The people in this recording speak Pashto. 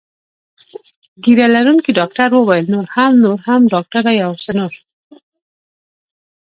ږیره لرونکي ډاکټر وویل: نور هم، نور هم، ډاکټره یو څه نور.